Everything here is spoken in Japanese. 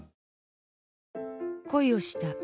恋をした。